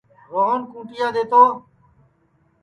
روہن کُونٚٹِیا دؔے تو